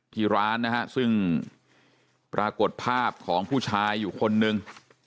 ที่ร้านนะฮะซึ่งปรากฏภาพของผู้ชายอยู่คนนึง